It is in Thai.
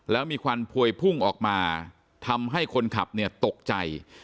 แล้วมีควันพวยพุ่งออกมาทำให้คนขับเนี่ยตกใจ